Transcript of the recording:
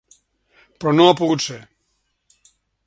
Però no ha pogut ser.